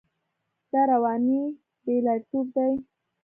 دا رواني بې لارېتوب دی.